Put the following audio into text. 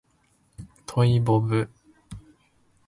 トイボブ